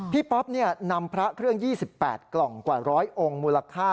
ป๊อปนำพระเครื่อง๒๘กล่องกว่า๑๐๐องค์มูลค่า